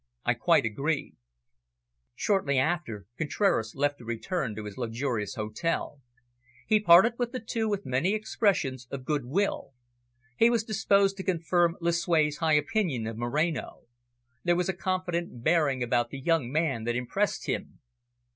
I quite agree." Shortly after, Contraras left to return to his luxurious hotel. He parted from the two with many expressions of good will. He was disposed to confirm Lucue's high opinion of Moreno. There was a confident bearing about the young man that impressed him.